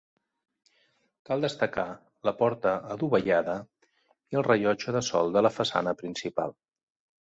Cal destacar la porta adovellada i el rellotge de sol de la façana principal.